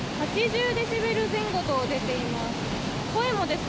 デシベル前後と出ています。